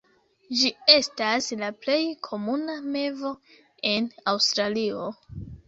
Ĝi estas la plej komuna mevo en Aŭstralio.